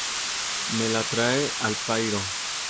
Me la trae al pairo